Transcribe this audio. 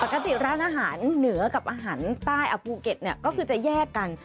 ปกติร้านอาหารเหนือกับอาหารใต้ภูเก็ตก็คือจะแยกกัน